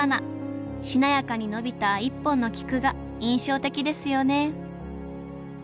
しなやかに伸びた１本の菊が印象的ですよね